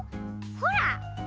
ほら。